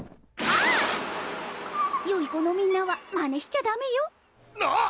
コメよい子のみんなはまねしちゃダメよなっ！